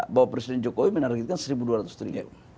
bahwa presiden jokowi menargetkan rp satu dua ratus triliun